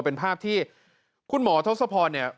เป็นภาพที่คุณหมอทศพรเนี่ย